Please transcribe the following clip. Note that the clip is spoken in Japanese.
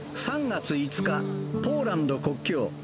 ３月５日、ポーランド国境。